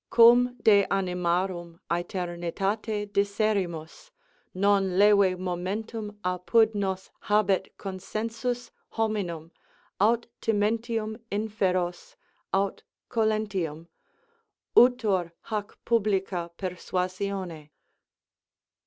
_Cum de animarum otemitate disserimus, non leve momentum apud nos habet consensus hominum aut timentium inferos, aut colentium. Utor hâc publicâ persuasione.